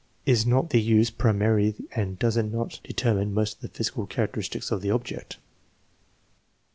Is not the use pri mary and does it not determine most of the physical charac teristics of the object?